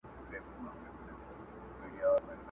لیکلی وصیت!!